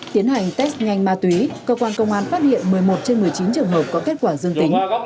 tiến hành test nhanh ma túy cơ quan công an phát hiện một mươi một trên một mươi chín trường hợp có kết quả dương tính